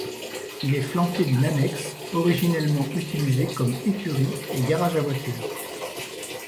Il est flanqué d'une annexe, originellement utilisée comme écurie et garage à voiture.